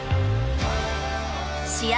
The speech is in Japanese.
試合